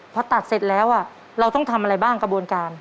พอตัดเสร็จแล้วเราต้องทำอะไรบ้างกระบวนการ